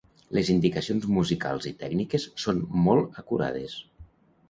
Les indicacions musicals i tècniques són molt acurades.